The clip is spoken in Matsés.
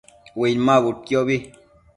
Uinmabudquiobi